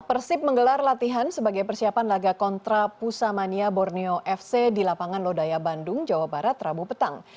persib menggelar latihan sebagai persiapan laga kontra pusamania borneo fc di lapangan lodaya bandung jawa barat rabu petang